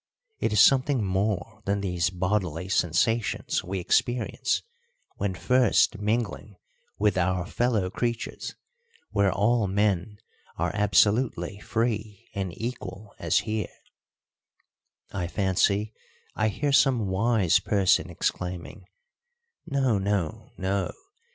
It is something more than these bodily sensations we experience when first mingling with our fellow creatures, where all men are absolutely free and equal as here. I fancy I hear some wise person exclaiming, "No, no, no!